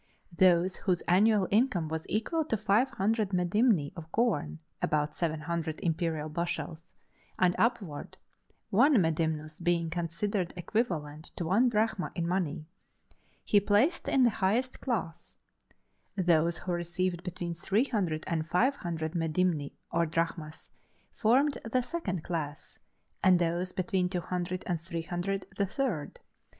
Those whose annual income was equal to five hundred medimni of corn (about seven hundred imperial bushels) and upward one medimnus being considered equivalent to one drachma in money he placed in the highest class; those who received between three hundred and five hundred medimni or drachmas formed the second class; and those between two hundred and three hundred, the third.